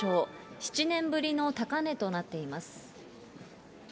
７年ぶりの高値となっています。